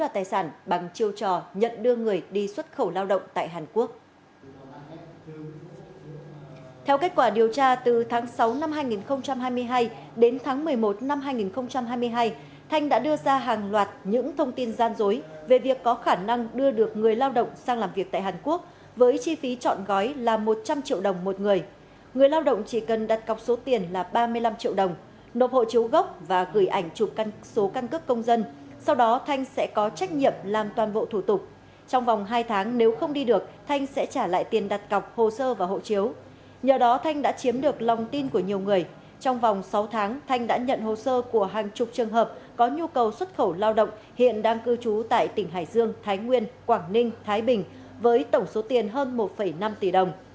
trong sáu tháng thanh đã nhận hồ sơ của hàng chục trường hợp có nhu cầu xuất khẩu lao động hiện đang cư trú tại tỉnh hải dương thái nguyên quảng ninh thái bình với tổng số tiền hơn một năm tỷ đồng